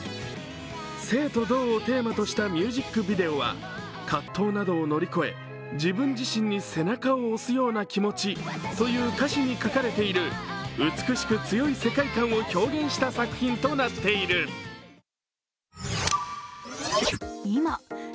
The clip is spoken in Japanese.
静と動をテーマとしたミュージックビデオは葛藤などを乗り越え、自分自身に背中を押すような気持ちと歌詞に描かれている美しく強い世界を表現した世界観となっている。